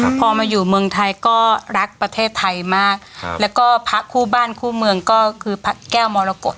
พอมาอยู่เมืองไทยก็รักประเทศไทยมากครับแล้วก็พระคู่บ้านคู่เมืองก็คือพระแก้วมรกฏ